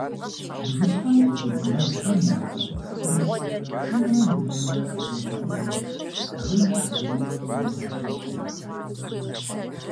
Бгыщхьэм къыщыкӏ мэзхэм я лъэхъыцхэм щӏымрэ мывэмрэ зэщӏаӏыгъэ бгым зыри кърамыгъэхуэхыу.